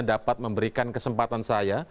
dapat memberikan kesempatan saya